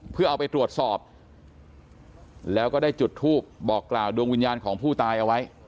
เพื่อเอาไปตรวจสอบแล้วก็ได้จุดทูปบอกกล่าวดวงวิญญาณของผู้ตายเอาไว้